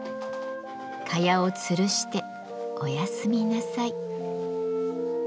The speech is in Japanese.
蚊帳をつるしておやすみなさい。